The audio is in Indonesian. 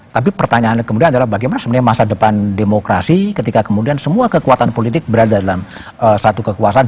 tapi pertanyaannya kemudian adalah bagaimana sebenarnya masa depan demokrasi ketika kemudian semua kekuatan politik berada dalam satu kekuasaan